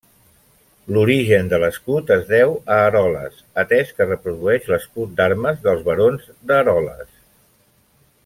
L'origen de l'escut es deu a Eroles, atès que reprodueix l'escut d'armes dels barons d'Eroles.